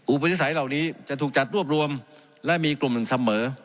อุปนิสัยเหล่านี้จะถูกจัดรวบรวมและมีกลุ่มหนึ่งเสมอ